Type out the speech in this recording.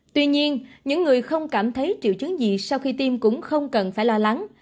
tuy nhiên những người không cảm thấy triệu chứng gì sau khi tiêm cũng không cần phải lo lắng